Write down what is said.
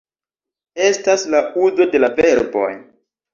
Estas la uzo de la verboj